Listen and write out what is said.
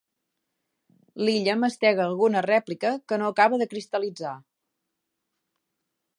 L'Illa mastega alguna rèplica que no acaba de cristal·litzar.